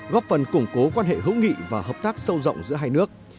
góp phần củng cố quan hệ hữu nghị và hợp tác sâu rộng giữa hai nước